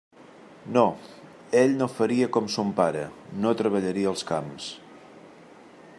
No; ell no faria com son pare; no treballaria els camps.